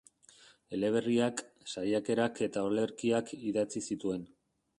Eleberriak, saiakerak eta olerkiak idatzi zituen.